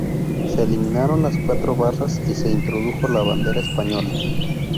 Se eliminaron las cuatro barras y se introdujo la bandera española.